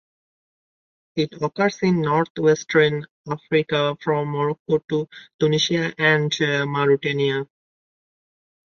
It occurs in northwestern Africa from Morocco to Tunisia and Mauritania.